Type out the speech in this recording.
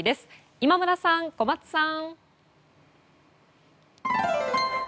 今村さん、小松さん。